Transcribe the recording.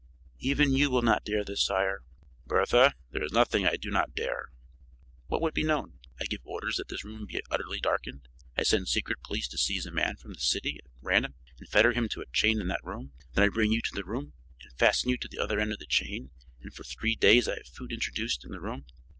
"Even you will not dare this, sire." "Bertha, there is nothing I do not dare. What would be known? I give orders that this room be utterly darkened; I send secret police to seize a man from the city at random and fetter him to a chain in that room; then I bring you to the room and fasten you to the other end of the chain, and for three days I have food introduced into the room.